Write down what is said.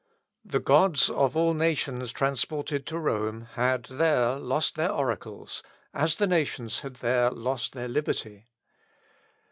The gods of all nations transported to Rome, had there lost their oracles, as the nations had there lost their liberty.